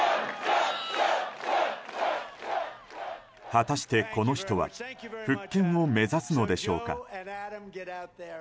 果たして、この人は復権を目指すのでしょうか。